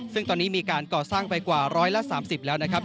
ซึ่งตอนนี้มีการก่อสร้างไปกว่า๑๓๐แล้วนะครับ